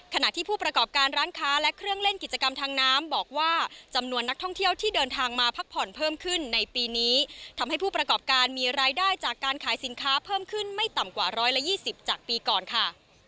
ขณะที่ผู้ประกอบการร้านค้าและเครื่องเล่นกิจกรรมทางน้ำบอกว่าจำนวนนักท่องเที่ยวที่เดินทางมาพักผ่อนเพิ่มขึ้นในปีนี้ทำให้ผู้ประกอบการมีรายได้จากการขายสินค้าเพิ่มขึ้นไม่ต่ำกว่า๑๒๐จากปีก่อนค่ะ